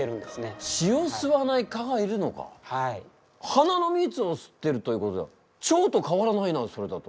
花の蜜を吸っているということはチョウと変わらないなそれだと。